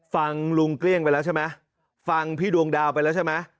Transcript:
ฟังลุงเกลี้ยงไปแล้วใช่ไหมฟังพี่ดวงดาวไปแล้วใช่ไหม